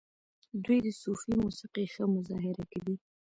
دوی د صوفي موسیقۍ ښه مظاهره کوي.